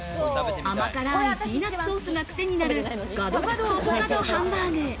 甘辛いピーナッツソースがクセになるガドガドアボカドハンバーグ。